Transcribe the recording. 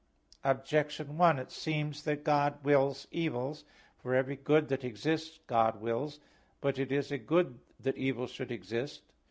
Objection 1: It seems that God wills evils. For every good that exists, God wills. But it is a good that evil should exist.